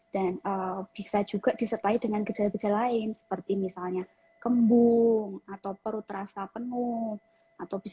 dan bisa juga disetelah dengan gejala gejala lain seperti misalnya kembung atau perut rasa penuh atau